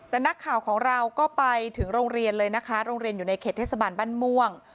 แต่นักข่าวของเราก็ไปถึงโรงเรียนเลยนะคะโรงเรียนอยู่ในเขตเทศบาลบ้านม่วง